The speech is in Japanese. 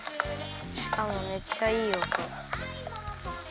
しかもめっちゃいいおと。